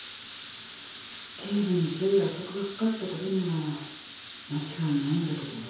頸部に強い圧迫がかかった事には間違いないんだけど。